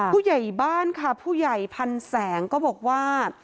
ผู้ใหญ่บ้านค่ะผู้ใหญ่พันแสงก็บอกว่า